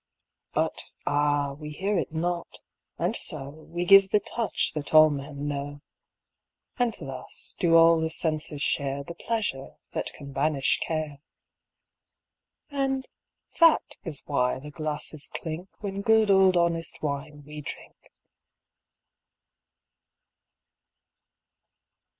But ah, we hear it not, and so We give the touch that all men know. And thus do all the senses share The pleasure that can banish care. And that is why the glasses clink When good old honest wine we drink.